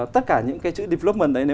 tất cả những cái chữ development đấy